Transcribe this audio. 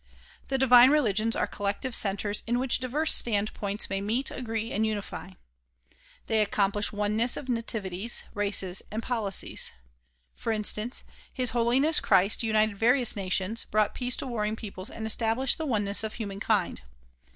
The divine religions are collective centers in which diverse stand points may meet, agree and unify. They accomplish oneness of nativities, races and policies. For instance, His Holiness Christ united various nations, brought peace to warring peoples and estab lished the oneness of human kind.